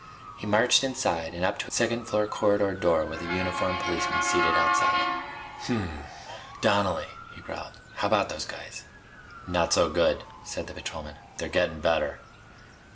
He marched inside and up to a second floor corridor door with a uniformed policeman seated outside it. "Hm m m. Donnelly," he growled. "How about those guys?" "Not so good," said the patrolman. "They're gettin' better."